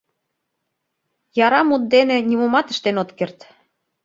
Яра мут дене нимомат ыштен от керт.